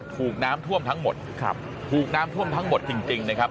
ถูกน้ำท่วมทั้งหมดครับถูกน้ำท่วมทั้งหมดจริงนะครับ